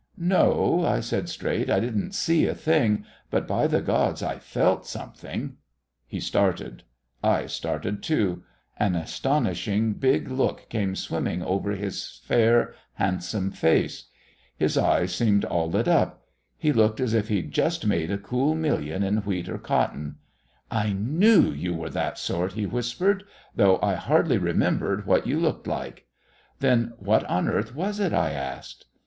"No," I said straight, "I didn't see a thing, but, by the gods, I felt something." He started. I started too. An astonishing big look came swimming over his fair, handsome face. His eyes seemed all lit up. He looked as if he'd just made a cool million in wheat or cotton. "I knew you were that sort," he whispered. "Though I hardly remembered what you looked like." "Then what on earth was it?" I asked.